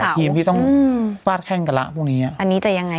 มีินใส่ทีมที่ต้องบ้าดแข่งกละพรุ่งนี้อ่ะอันนี้จะยังไง